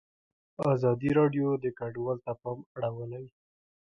ازادي راډیو د کډوال ته پام اړولی.